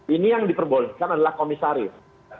ini yang diperbolehkan adalah komisaris